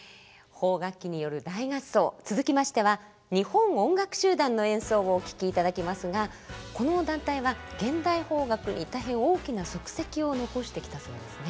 邦楽器による大合奏続きましては日本音楽集団の演奏をお聴きいただきますがこの団体は現代邦楽に大変大きな足跡を残してきたそうですね。